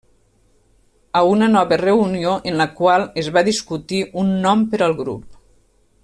A una nova reunió en la qual es va discutir un nom per al grup.